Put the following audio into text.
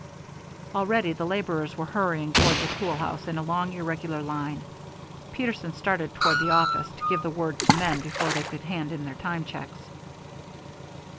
Already the laborers were hurrying toward the tool house in a long, irregular line. Peterson started toward the office, to give the word to the men before they could hand in their time checks.